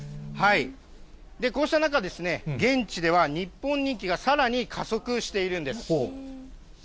こうした中、現地では日本人気がさらに加速しているんです。